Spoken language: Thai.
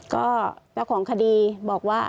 ก็เจ้าของคดีบอกว่า